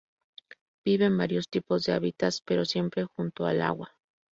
Vive en varios tipos de hábitats, pero siempre junto al agua.